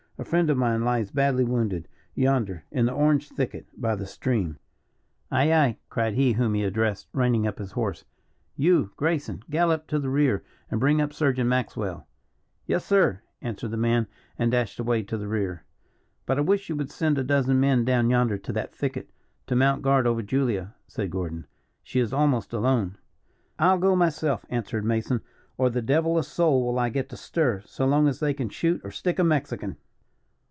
A friend of mine lies badly wounded, yonder, in the orange thicket, by the stream." "Aye, aye!" cried he whom he addressed, reining up his horse. "You, Grayson, gallop to the rear, and bring up surgeon Maxwell." "Yes, sir," answered the man, and dashed away to the rear. "But I wish you would send a dozen men down yonder to that thicket, to mount guard over Julia," said Gordon. "She is almost alone." "I'll go myself," answered Mason, "or the devil a soul will I get to stir, so long as they can shoot or stick a Mexican.